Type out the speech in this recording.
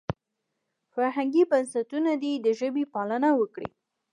فرهنګي بنسټونه دې د ژبې پالنه وکړي.